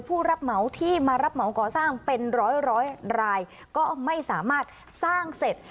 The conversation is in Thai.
ผู้รับเหมาที่มารับเหมาก่อสร้างเป็นร้อยรายก็ไม่สามารถสร้างเสร็จ